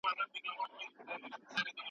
عامه افکار د سیاست په ډګر کي مهم رول لري.